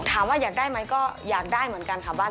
ถามว่าอยากได้ไหมก็อยากได้เหมือนกันค่ะว่า